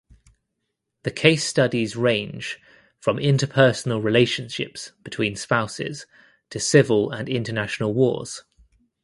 The case studies range from interpersonal relationships between spouses to civil and international wars.